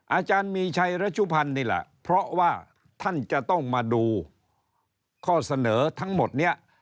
อาจารย์มีชัยรัชุพันธ์นี่แหละเพราะว่าท่านจะต้องมาดูข้อเสนอทั้งหมดนี้